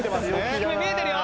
低め見えてるよ。